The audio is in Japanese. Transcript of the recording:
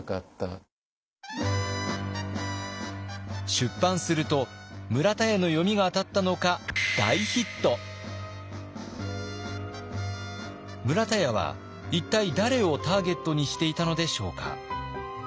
出版すると村田屋の読みが当たったのか村田屋は一体誰をターゲットにしていたのでしょうか？